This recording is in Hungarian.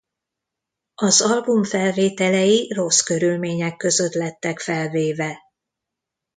Az album felvételei rossz körülmények között lettek felvéve.